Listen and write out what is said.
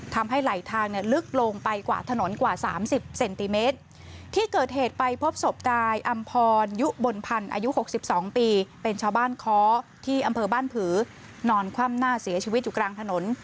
บ้านค้อที่อำเภอบ้านผือนอนคว่ำหน้าเสียชีวิตอยู่กลางถนน